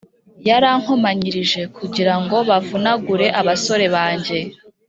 yarankomanyirije kugira ngo bavunagure abasore banjye.